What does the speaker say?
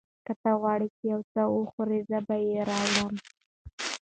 که ته غواړې چې یو څه وخورې، زه به یې راوړم.